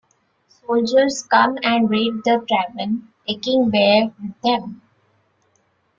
Soldiers come and raid the tavern, taking Bear with them.